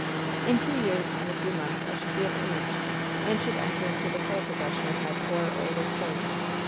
"In two years and a few months I should be of age, and should enter into the full possession of my poor, old estate.